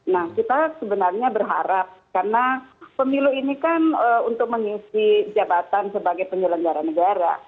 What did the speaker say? nah kita sebenarnya berharap karena pemilu ini kan untuk mengisi jabatan sebagai penyelenggara negara